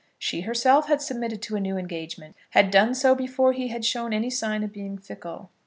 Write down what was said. She herself had submitted to a new engagement, had done so before he had shown any sign of being fickle.